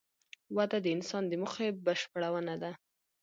وده د انسان د موخې بشپړونه ده.